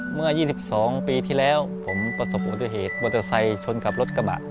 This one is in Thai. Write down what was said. เมื่อ๒๒ปีที่แล้วผมประสบอุบัติเหตุรัฐชนกับรถกระบะ